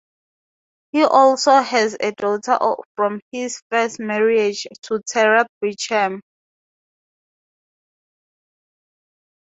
He also has a daughter from his first marriage to Terre Bridgham.